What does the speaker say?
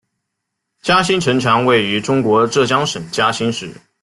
嘉兴城墙位于中国浙江省嘉兴市。